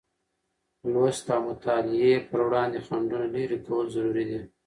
لوست او مطالعې پر وړاندې خنډونه لېرې کول ضروري دی.